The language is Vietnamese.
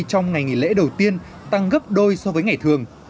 trong ngày nghỉ lễ đầu tiên tăng gấp đôi so với ngày thường